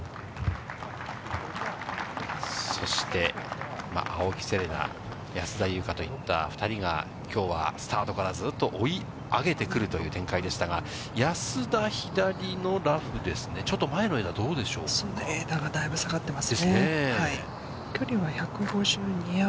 そして、青木瀬令奈、安田祐香といった２人がきょうはスタートからずっと追い上げてくるという展開でしたが、安田、左のラフですね、ちょっと前の枝、枝がだいぶ下がってますね。